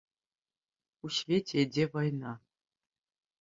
У свеце ідзе вайна.